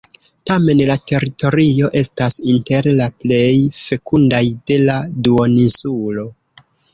Tamen la teritorio estas inter la plej fekundaj de la duoninsulo.